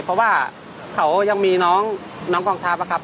เพราะว่าเขายังมีน้องกองทัพอะครับ